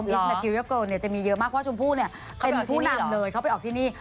บาร์เนี่ยจะมีเยอะมากเพราะชมพู่เนี่ยเป็นผู้นำเลยเขาไปออกที่นี่